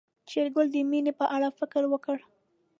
شېرګل د مينې په اړه فکر وکړ.